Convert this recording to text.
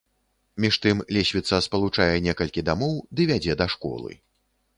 Між тым, лесвіца спалучае некалькі дамоў ды вядзе да школы.